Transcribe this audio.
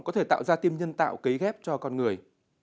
có thể tạo ra tim nhân tạo kế ghép cho con người